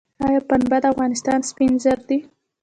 آیا پنبه د افغانستان سپین زر دي؟